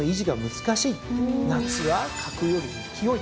夏は格より勢い。